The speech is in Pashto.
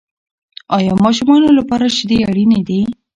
آیا ماشومانو لپاره شیدې اړینې دي؟